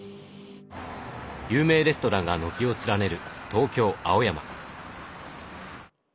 有名レストランが軒を連ねる東京青山。